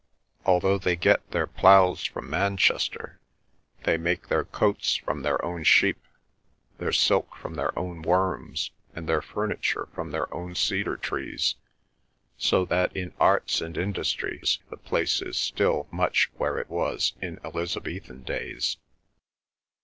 Although they get their ploughs from Manchester, they make their coats from their own sheep, their silk from their own worms, and their furniture from their own cedar trees, so that in arts and industries the place is still much where it was in Elizabethan days.